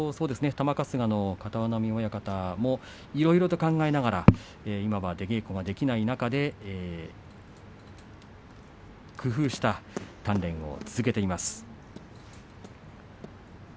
玉春日の片男波親方もいろいろと考えながら今は出稽古ができない中で工夫した鍛錬を続けています。